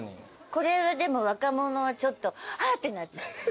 これでも若者はちょっと「ハッ！」ってなっちゃうね。